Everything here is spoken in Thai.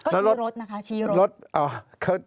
ก็ชี้ลดนะคะชี้ลด